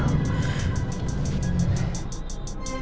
tunggu nanti aku bakal datang